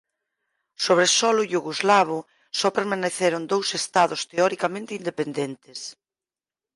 Sobre solo iugoslavo só permaneceron dous estados teoricamente independentes.